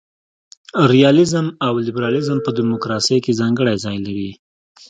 ریالیزم او لیبرالیزم په دموکراسي کي ځانګړی ځای لري.